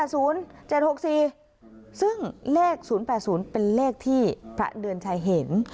ซึ่งเลข๐๘๐เป็นเลขที่พระเดือนชัยเห็น